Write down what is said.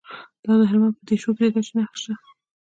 د هلمند په دیشو کې د ګچ نښې شته.